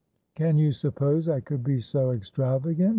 ' Can you suppose I could be so extravagant